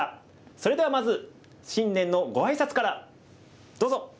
それではまず新年のご挨拶からどうぞ！